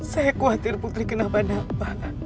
saya khawatir putri kenapa dapat